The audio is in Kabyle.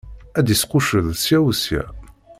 Ad d-isqucceḍ sya u sya.